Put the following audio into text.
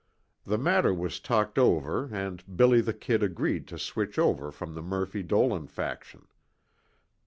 The matter was talked over and "Billy the Kid" agreed to switch over from the Murphy Dolan faction.